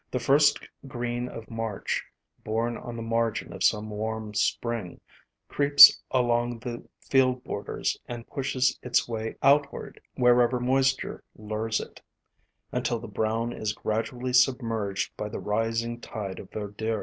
The first green of March, born on the margin of some warm spring, creeps along the field borders and pushes its way outward wherever moisture lures it, until the brown is gradually submerged by the rising tide of verdure.